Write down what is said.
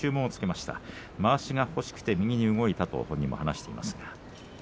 まわしが欲しくて右に動いたと本人も話していました。